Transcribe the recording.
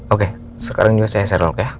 oke sekarang juga saya share lock ya